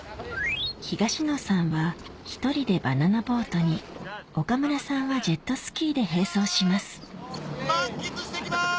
東野さんは１人でバナナボートに岡村さんはジェットスキーで並走します満喫して来ます。